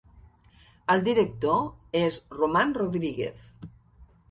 El director és Roman Rodríguez.